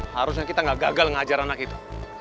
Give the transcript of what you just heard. harusnya kita gak gagal ngajar anak itu